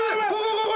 ここ！